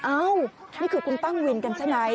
นี่คือคุณตั้งวินกันใช่ไหม